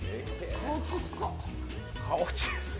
顔ちっさ。